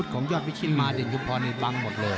ของยอดวิชิตมาเด่นชุมพรนี่บังหมดเลย